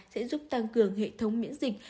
sẽ giúp tăng cường hệ thống miễn dịch